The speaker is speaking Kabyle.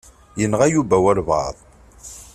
Yenɣa Yuba walebɛaḍ.